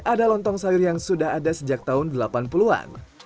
ada lontong sayur yang sudah ada sejak tahun delapan puluh an